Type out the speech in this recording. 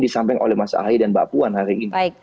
disampaikan oleh mas ahaye dan mbak puan hari ini